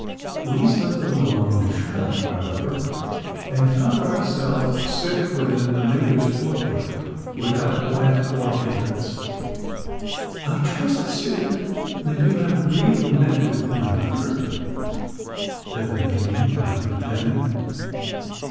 We slipped along in the shadow, however, and found ourselves safe within the Mayor's courtyard without let or hindrance. 'I trust, sir, that you have really met with no hurt,' said the maiden to my companion.